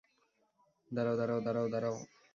দাড়াও, দাড়াও, দাড়াও, দাড়াও।